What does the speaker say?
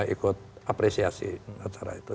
ikut apresiasi acara itu